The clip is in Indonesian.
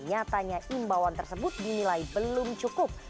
nyatanya imbauan tersebut dinilai belum cukup